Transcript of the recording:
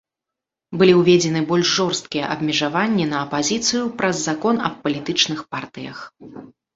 Былі ўведзены больш жорсткія абмежаванні на апазіцыю праз закон аб палітычных партыях.